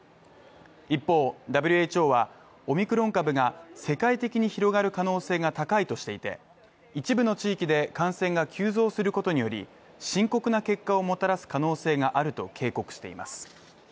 一方、ＷＨＯは、オミクロン株が世界的に広がる可能性が高いとしていて、一部の地域で感染が急増することにより深刻な結果をもたらす可能性があると警告しています。